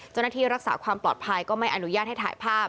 เจ้าหน้าที่รักษาความปลอดภัยก็ไม่อนุญาตให้ถ่ายภาพ